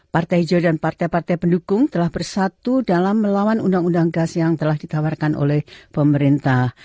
partai hijau dan partai partai pendukung telah bersatu dalam melawan undang undang gas yang telah ditawarkan oleh pemerintah